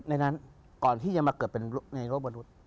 ในนั้นก่อนที่จะมาเกิดเป็นในโลกมนุษย์